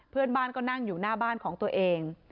เพื่อนบ้านก็นั่งอยู่หน้าบ้านของตัวเอง